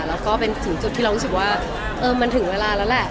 แล้วก็เป็นถึงจุดที่เรารู้สึกว่ามันถึงเวลาแล้วแหละ